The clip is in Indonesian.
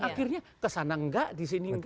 akhirnya kesana tidak di sini tidak